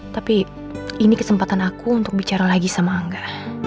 tapi ini kesempatan aku untuk bicara lagi sama angga